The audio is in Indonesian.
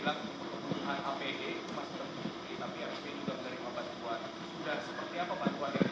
sudah seperti apa pak